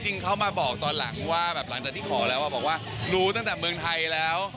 เข้ามาบอกตอนหลังว่าแบบหลังจากที่ขอแล้วบอกว่ารู้ตั้งแต่เมืองไทยแล้ว